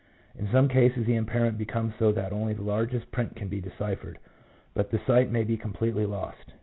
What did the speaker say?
In some cases the impairment becomes so that only the largest print can be deciphered; but the sight maybe com pletely lost."